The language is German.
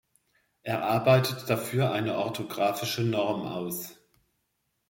Er arbeitet dafür eine orthographische Norm aus.